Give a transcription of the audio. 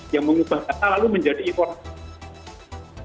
yang mengubah data lalu menjadi informasi